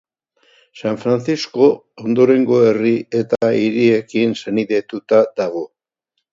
San Frantzisko ondorengo herri eta hiriekin senidetuta dago.